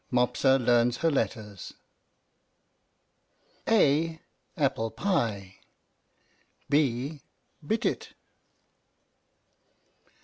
MOPSA LEARNS HER LETTERS. A apple pie. B bit it.